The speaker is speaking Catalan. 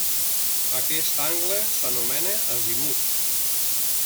Aquest angle s'anomena azimut.